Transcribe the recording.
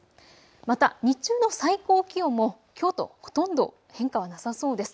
また日中の最高気温もきょうとほとんど変化はなさそうです。